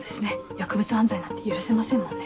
薬物犯罪なんて許せませんもんね。